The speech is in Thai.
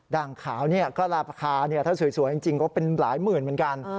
ด่างขาวก็ราคาถ้าสวยจริงก็เป็นหลายหมื่นเหมือนกัน